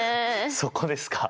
そこですか？